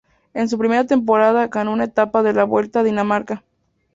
En su primera temporada ganó una etapa de la Vuelta a Dinamarca.